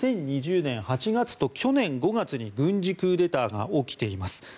２０２０年８月と去年５月に軍事クーデターが起きています。